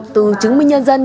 từ chứng minh nhân dân